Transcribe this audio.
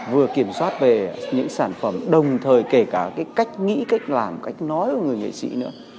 vừa kiểm soát về những sản phẩm đồng thời kể cả cái cách nghĩ cách làm cách nói của người nghệ sĩ nữa